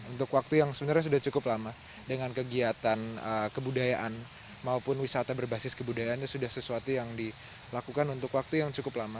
untuk waktu yang sebenarnya sudah cukup lama dengan kegiatan kebudayaan maupun wisata berbasis kebudayaan itu sudah sesuatu yang dilakukan untuk waktu yang cukup lama